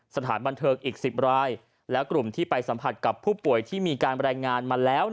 สถานบันเทิงอีก๑๐รายและกลุ่มที่ไปสัมผัสกับผู้ป่วยที่มีการรายงานมาแล้ว